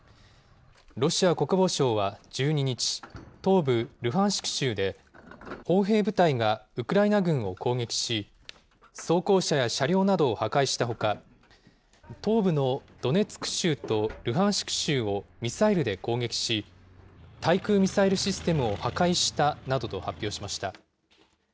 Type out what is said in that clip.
ロシア国防省は１２日、東部ルハンシク州で、砲兵部隊がウクライナ軍を攻撃し、装甲車や車両などを破壊したほか、東部のドネツク州とルハンシク州をミサイルで攻撃し、対空ミサイルシステムを破壊したなどと発表しました。